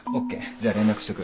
じゃあ連絡しとく。